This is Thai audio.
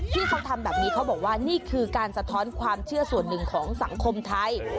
ที่เขาทำแบบนี้เขาบอกว่านี่คือการสะท้อนความเชื่อส่วนหนึ่งของสังคมไทย